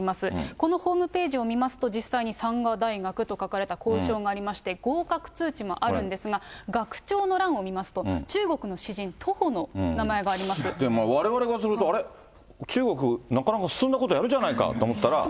このホームページを見ますと、実際に山河大学と書かれた校章がありまして、合格通知もあるんですが、学長の欄を見ますと、中国の詩人、われわれからすると、あれ、中国、なかなか進んだことやるじゃないかと思ったら。